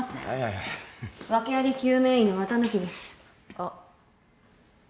あっ。